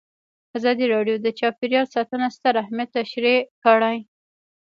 ازادي راډیو د چاپیریال ساتنه ستر اهميت تشریح کړی.